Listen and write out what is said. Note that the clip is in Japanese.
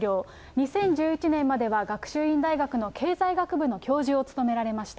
２０１１年までは学習院大学の経済学部の教授を務められました。